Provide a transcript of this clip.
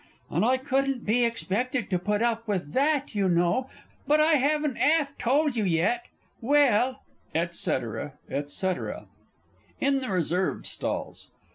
And I couldn't be expected to put up with that, you know, but I haven't 'alf told you yet well, &c., &c. IN THE RESERVED STALLS.